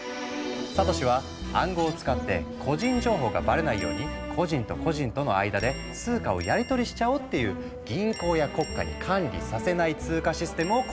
サトシは「暗号を使って個人情報がバレないように個人と個人との間で通貨をやりとりしちゃおう」っていう銀行や国家に管理させない通貨システムを構想したの。